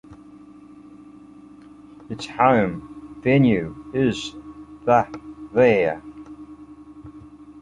Its home venue is the there.